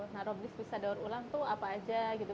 nah roblis bisa daur ulang tuh apa aja gitu